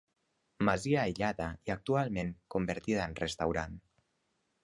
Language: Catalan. Masia aïllada i actualment convertida en restaurant.